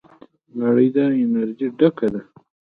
نړۍ د انرژۍ ډکه ده.